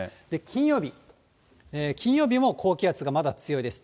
金曜日、金曜日も高気圧がまだ強いです。